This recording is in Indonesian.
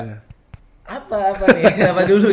apa apa nih kenapa dulu ini